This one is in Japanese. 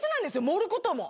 盛ることも。